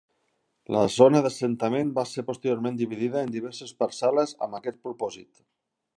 La zona d'assentament va ser posteriorment dividida en diverses parcel·les amb aquest propòsit.